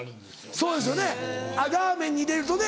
そうですよねラーメンに入れるとね。